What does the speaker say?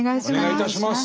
お願いいたします。